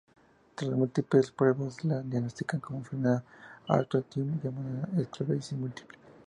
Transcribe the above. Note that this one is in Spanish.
Tras múltiples pruebas le diagnostican una enfermedad autoinmune llamada Esclerosis Múltiple.